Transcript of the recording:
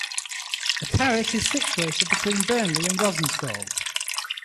The parish is situated between Burnley and Rawtenstall.